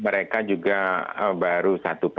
mereka juga baru